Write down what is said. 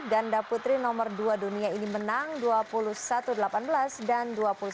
ganda putri nomor dua dunia ini menang dua puluh satu delapan belas dan dua puluh satu sembilan belas